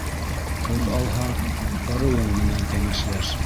Ҡыҙ алһаң, ырыуың менән кәңәшләш.